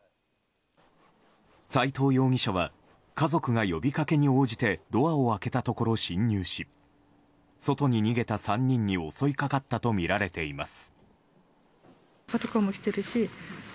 斎藤容疑者は家族が呼びかけに応じてドアを開けたところ侵入し外に逃げた３人に襲いかかったとみられています。